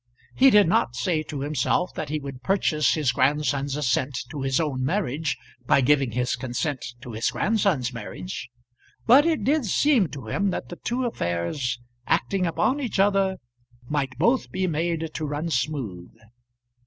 He did not say to himself that he would purchase his grandson's assent to his own marriage by giving his consent to his grandson's marriage. But it did seem to him that the two affairs, acting upon each other, might both be made to run smooth.